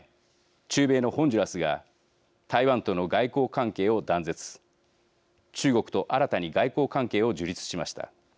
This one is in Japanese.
中米のホンジュラスが台湾との外交関係を断絶中国と新たに外交関係を樹立しました。